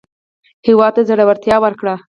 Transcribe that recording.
هېواد ته زړورتیا ورکړئ